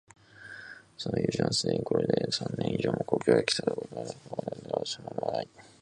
その友人はすでにこれで三年以上も故郷へきたことはなく、帰らないのはロシアの政治情勢の不安定のためにどうしてもやむをえぬことだ、と説明していた。